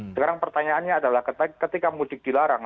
sekarang pertanyaannya adalah ketika mudik dilarang